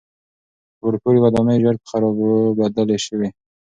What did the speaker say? لوړپوړي ودانۍ ژر په خرابو بدلې شوې.